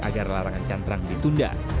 agar larangan cantrang ditunda